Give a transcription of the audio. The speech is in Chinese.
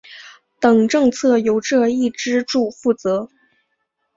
等政策由这一支柱负责。